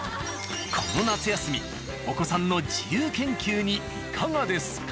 この夏休みお子さんの自由研究にいかがですか？